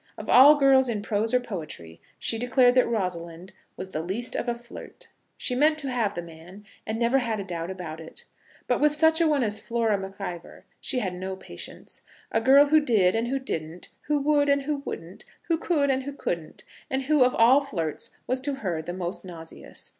Of all girls in prose or poetry she declared that Rosalind was the least of a flirt. She meant to have the man, and never had a doubt about it. But with such a one as Flora MacIvor she had no patience; a girl who did and who didn't, who would and who wouldn't, who could and who couldn't, and who of all flirts was to her the most nauseous!